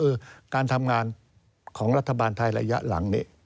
คือการทำงานของรัฐบาลไทยระยะหลังนี้